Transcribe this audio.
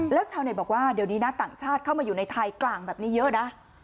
แล้วชาวเน็ตบอกว่าเดี๋ยวนี้นะต่างชาติเข้ามาอยู่ในไทยกลางแบบนี้เยอะนะ